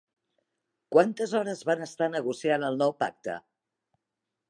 Quantes hores van estar negociant el nou pacte?